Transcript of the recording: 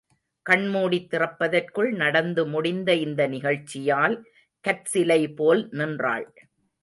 கண் மூடித் திறப்பதற்குள் நடந்து முடிந்த இந்த நிகழ்ச்சியால் கற்சிலை போல் நின்றாள்.